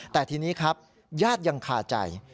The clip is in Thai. แต่ทีนี้ครับญาติยังคาใจ